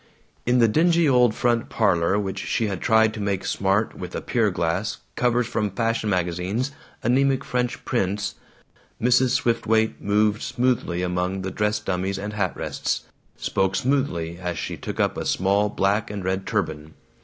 In the dingy old front parlor which she had tried to make smart with a pier glass, covers from fashion magazines, anemic French prints, Mrs. Swiftwaite moved smoothly among the dress dummies and hat rests, spoke smoothly as she took up a small black and red turban.